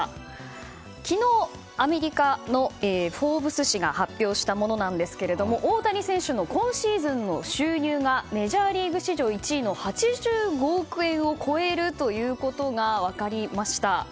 昨日、アメリカの「フォーブス」誌が発表したものなんですが大谷選手の今シーズンの収入がメジャーリーグ史上１位の８５億円を超えるということが分かりました。